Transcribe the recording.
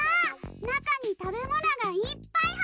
なかにたべものがいっぱいはいってる！